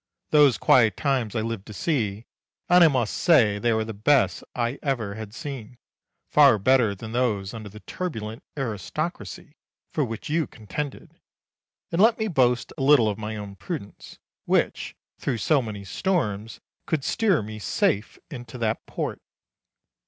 Those quiet times I lived to see, and I must say they were the best I ever had seen, far better than those under the turbulent aristocracy for which you contended. And let me boast a little of my own prudence, which, through so many storms, could steer me safe into that port.